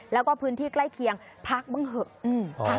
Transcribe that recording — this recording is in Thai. แล้วก็พื้นที่ใกล้เคียงพักบ้างเถอะ